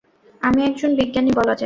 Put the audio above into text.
আমি একজন বিজ্ঞানী বলা যায়।